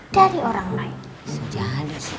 dari orang lain